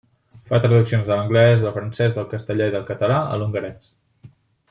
Fa traduccions de l’anglès, del francès, del castellà i del català a l’hongarès.